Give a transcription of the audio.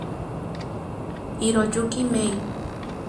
Hiroyuki Mae